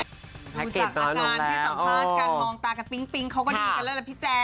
ดูจากอาการให้สัมภาษณ์การมองตากันปิ๊งเขาก็ดีกันแล้วล่ะพี่แจ๊